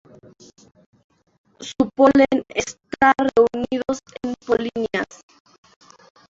Su polen está reunidos en polinias.